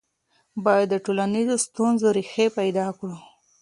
باید د ټولنیزو ستونزو ریښې پیدا کړو.